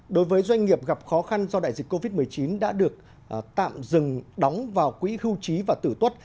đối với doanh nghiệp gặp khó khăn do đại dịch covid một mươi chín đã được tạm dừng đóng vào quỹ hưu trí và tử tuất